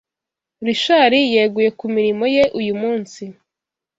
Rishari yeguye kumirmo ye uyu munsi